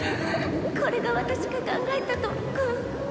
これが私が考えた特訓。